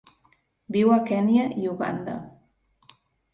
Viu a Kenya i Uganda.